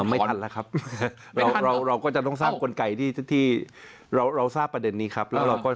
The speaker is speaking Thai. ไม่ทันแล้วครับเราก็จะต้องสร้างกลไกที่เราทราบประเด็นนี้ครับ